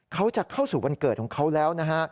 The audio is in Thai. เขาจะเข้าสู่วันเกิดของเขาแล้วนะฮะ